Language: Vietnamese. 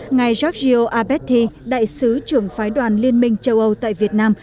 ngài giorgio abetti đại sứ trưởng phái đoàn liên minh châu âu tại việt nam